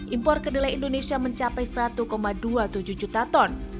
impor kedelai indonesia mencapai satu dua puluh tujuh juta ton